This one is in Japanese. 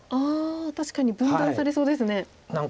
ああ確かに分断されそうですね。